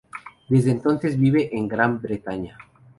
Desde entonces vive en Gran Bretaña.